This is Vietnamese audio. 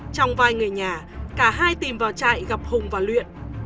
trong vai người nhà cả hai tìm vào trại gặp hùng và luyện